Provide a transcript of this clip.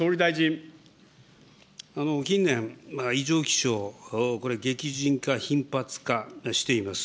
近年、異常気象、これ、激甚化、頻発化しています。